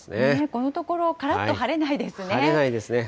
このところ、からっと晴れないですね。